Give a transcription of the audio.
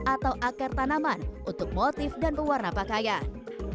atau akar tanaman untuk motif dan pewarna pakaian